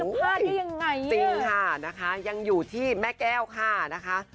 ได้ยังไงจริงค่ะนะคะยังอยู่ที่แม่แก้วค่ะนะคะ